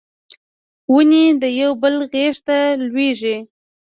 ونې د یو بل غیږ ته لویږي